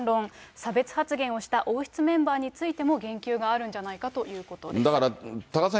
差別発言をした王室メンバーについても言及があるんじゃないかとだから多賀さん